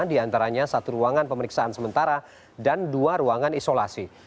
diantaranya satu ruangan pemeriksaan sementara dan dua ruangan isolasi